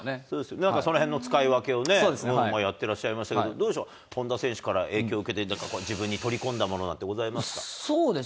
なんかそのへんの使い分けをやってらっしゃいましたけど、どうでしょう、本田選手から影響を受けて、自分に取り込んだものなんてございます？